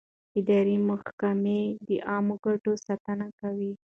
اداري محکمې د عامه ګټو ساتنه کوي.